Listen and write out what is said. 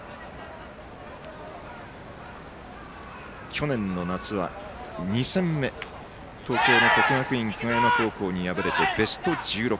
去年の夏は２戦目東京の国学院久我山高校に敗れてベスト１６。